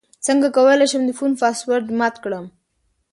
څنګه کولی شم د فون پاسورډ مات کړم